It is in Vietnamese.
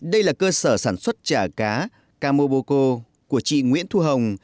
đây là cơ sở sản xuất chả cá camoboco của chị nguyễn thu hồng